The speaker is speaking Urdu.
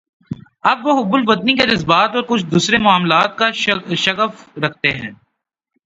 اب وہ حب الوطنی کے جذبات اور کچھ دوسرے معاملات کا شغف رکھتے ہیں۔